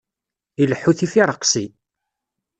Ileḥḥu tifiṛeqsi.